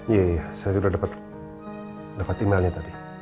iya iya saya sudah dapet emailnya tadi